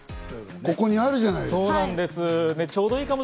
ここにあるじゃないですか。